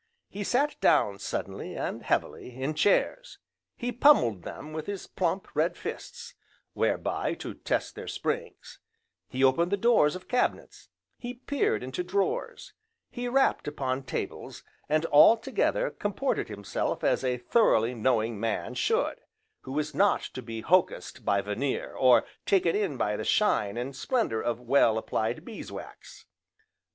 He sat down suddenly and heavily, in chairs; he pummelled them with his plump, red fists, whereby to test their springs; he opened the doors of cabinets; he peered into drawers; he rapped upon tables, and altogether comported himself as a thoroughly knowing man should, who is not to be hocussed by veneer, or taken in by the shine, and splendour of well applied bees wax.